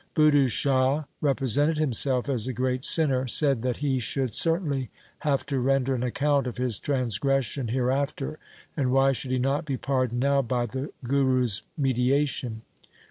Budhu Shah represented himself as a great sinner, said that he should cer tainly have to render an account of his transgression hereafter, and why should he not be pardoned now by the Guru's mediation